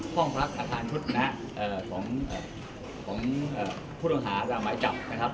พ่องพลักฐานทุกข์นะเอ่อของของเอ่อผู้น้ำหาทางหมายจับนะครับ